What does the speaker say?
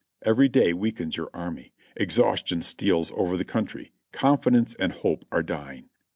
Every day weakens your army. Exhaustion steals over the country. Confidence and hope are dying.